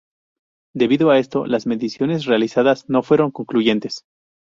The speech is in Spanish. Debido a esto las mediciones realizadas no fueron concluyentes.